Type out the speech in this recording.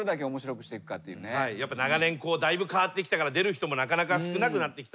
長年だいぶ変わってきたから出る人もなかなか少なくなってきたと。